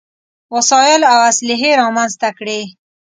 وسايل او اسلحې رامنځته کړې.